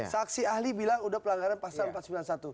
saksi ahli bilang udah pelanggaran pasal empat ratus sembilan puluh satu